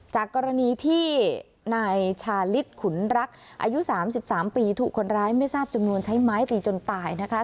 จากกรณีที่นายชาลิศขุนรักอายุ๓๓ปีถูกคนร้ายไม่ทราบจำนวนใช้ไม้ตีจนตายนะคะ